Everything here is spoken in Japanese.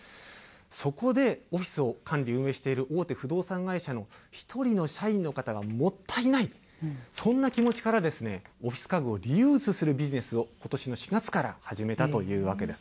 そこで、オフィスを管理・運営している大手不動産会社の一人の社員の方がもったいない、そんな気持ちから、オフィス家具をリユースするビジネスをことしの４月から始めたというわけです。